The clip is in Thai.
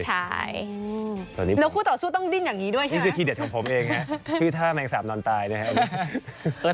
ใช่แล้วคู่ต่อสู้ต้องดิ้นอย่างนี้ด้วยใช่ไหมนี่คือทีเด็ดของผมเองนะชื่อท่าแมงสาบนอนตายนะครับ